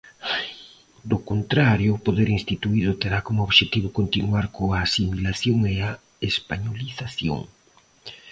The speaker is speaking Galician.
Do contrario o poder instituído terá como obxectivo continuar coa asimilación e a españolización.